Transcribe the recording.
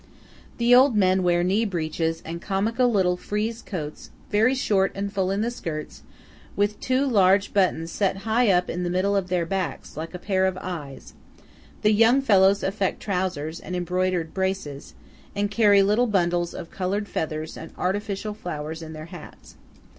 The old men wear knee breeches and comical little frieze coats very short and full in the skirts, with two large buttons set high up in the middle of their backs, like a pair of eyes, The young fellows affect trousers and embroidered braces, and carry little bundles of coloured feathers and artificial flowers in their hats.